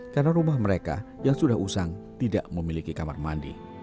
karena rumah mereka yang sudah usang tidak memiliki kamar mandi